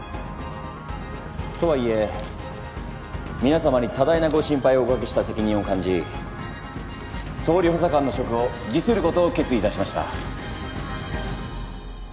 とはいえ皆様に多大なご心配をおかけした責任を感じ総理補佐官の職を辞することを決意いたしました。